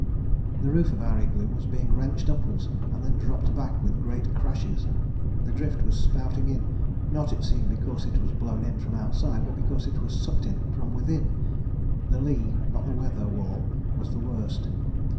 The roof of our igloo was being wrenched upwards and then dropped back with great crashes: the drift was spouting in, not it seemed because it was blown in from outside, but because it was sucked in from within: the lee, not the weather, wall was the worst.